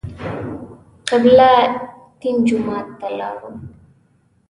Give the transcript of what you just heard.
قبله تین جومات ته لاړو.